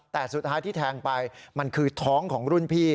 แต่สุดท้ายที่แทงไปมันคือท้องของรุ่นพี่